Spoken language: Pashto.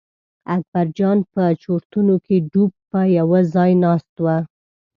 اکبرجان په چورتونو کې ډوب په یوه ځای ناست و.